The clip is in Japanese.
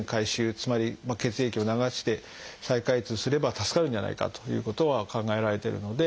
つまり血液を流して再開通すれば助かるんじゃないかということは考えられてるので。